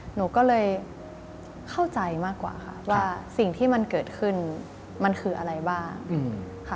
หนูก็เลยเข้าใจมากกว่าค่ะว่าสิ่งที่มันเกิดขึ้นมันคืออะไรบ้างค่ะ